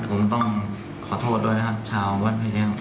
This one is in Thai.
ผมต้องขอโทษด้วยนะครับชาวบ้านเพยร์พร้อม